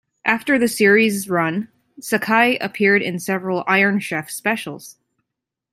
After the series' run, Sakai appeared in several "Iron Chef" specials.